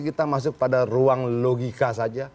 kita masuk pada ruang logika saja